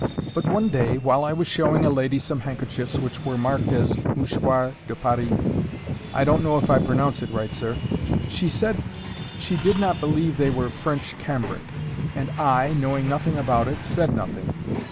But one day, while I was showing a lady some handkerchiefs which were marked as mouchoirs de Paris—I don't know if I pronounce it right, sir—she said she did not believe they were French cambric; and I, knowing nothing about it, said nothing.